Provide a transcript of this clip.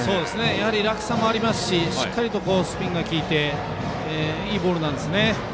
やはり落差もありますししっかりとスピンが利いていいボールなんですね。